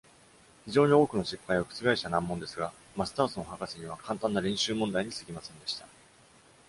非常に多くの失敗を覆した難問ですが、マスターソン博士には簡単な練習問題にすぎませんでした。